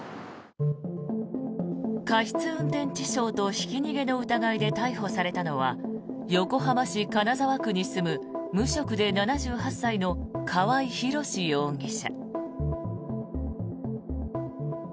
過失運転致傷とひき逃げの疑いで逮捕されたのは横浜市金沢区に住む無職で７８歳の川合廣司容疑者。